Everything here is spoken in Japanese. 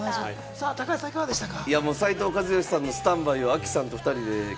高橋さん、いかがでしたか？